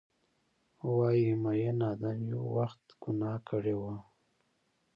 وایې ، میین ادم یو وخت ګناه کړي وه